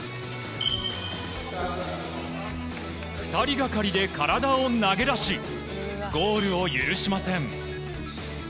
２人がかりで体を投げ出しゴールを許しません。